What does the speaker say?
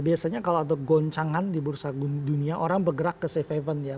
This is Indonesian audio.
biasanya kalau ada goncangan di bursa dunia orang bergerak ke safe haven ya